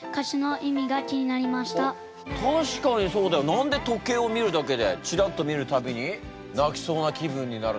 何で時計を見るだけで「チラッと見るたびに泣きそうな気分になるの？」。